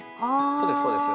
そうですそうです。